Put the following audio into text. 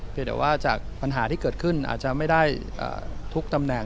แต่ว่าจากปัญหาที่เกิดขึ้นอาจจะไม่ได้ทุกตำแหน่ง